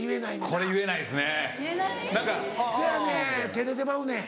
照れてまうねん。